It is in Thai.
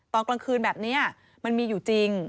ตอนกลางคืนแบบนี้มันมีอยู่จริง